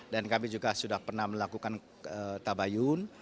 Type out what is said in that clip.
dan kami juga sudah pernah melakukan tabayun